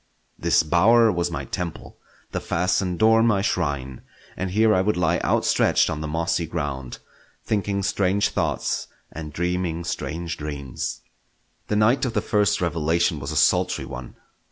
This bower was my temple, the fastened door my shrine, and here I would lie outstretched on the mossy ground, thinking strange thoughts and dreaming strange dreams. The night of the first revelation was a sultry one.